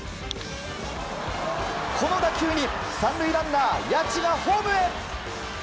この打球に３塁ランナー谷内がホームへ。